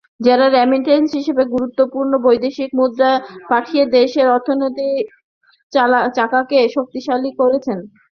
যাঁরা রেমিট্যান্স হিসেবে গুরুত্বপূর্ণ বৈদেশিক মুদ্রা পাঠিয়ে দেশের অর্থনীতির চাকাকে শক্তিশালী করছেন।